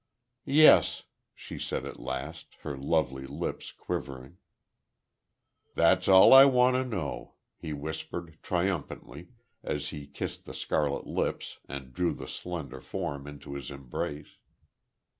"Yes," she said, at last, her lovely lips quivering. "That's all I want to know!" he whispered, triumphantly, as he kissed the scarlet lips, and drew the slender form into his embrace.